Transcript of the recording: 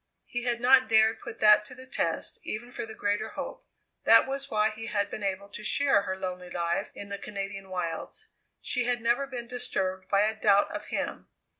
He had not dared put that to the test even for the greater hope. That was why he had been able to share her lonely life in the Canadian wilds she had never been disturbed by a doubt of him.